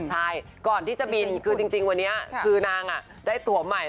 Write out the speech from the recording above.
ใช่ก่อนที่จะบินคือจริงวันนี้คือนางได้ตัวใหม่